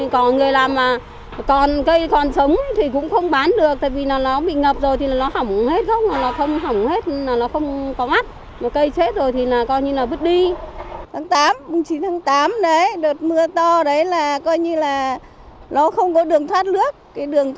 cảm ơn các bạn đã theo dõi